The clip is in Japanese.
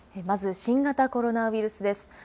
まず、新型コロナウイルスです。